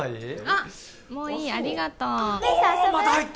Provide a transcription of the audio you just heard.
あっもういいありがとうおおっ！